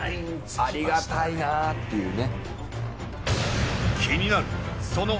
ありがたいなっていうね。